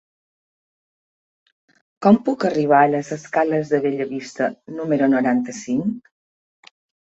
Com puc arribar a les escales de Bellavista número noranta-cinc?